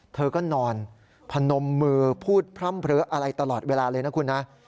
เธอก็นอนพนมมือพูดพร่ำเผลออะไรตลอดเวลาเลยนะคุณนะ